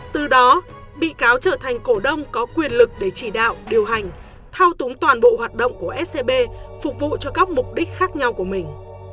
từ đó bị cáo trở thành cổ đông có quyền lực để chỉ đạo điều hành thao túng toàn bộ hoạt động của scb phục vụ cho các mục đích khác nhau của mình